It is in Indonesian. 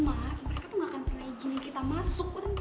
mereka tuh gak akan punya izin yang kita masuk